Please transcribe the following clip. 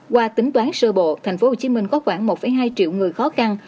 qua tính toán sơ bộ tp hcm có khoảng một hai triệu người khó khăn